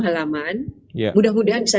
halaman mudah mudahan bisa